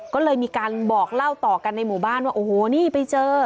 ก็เลยมีการบอกเล่าต่อกันในหมู่บ้านว่าโอ้โหนี่ไปเจอ